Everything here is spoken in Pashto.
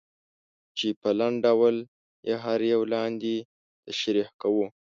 چې په لنډ ډول یې هر یو لاندې تشریح کوو.